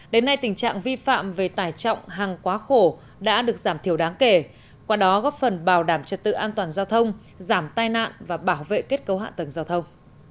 đến nay tình trạng vi phạm về tải trọng hàng quá khổ đã được giảm thiểu đáng kể qua đó góp phần bảo đảm trật tự an toàn giao thông giảm tai nạn và bảo vệ kết cấu hạ tầng giao thông